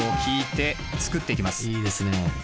いいですね。